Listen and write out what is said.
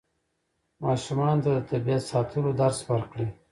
ماشومانو ته د طبیعت ساتلو درس ورکړئ.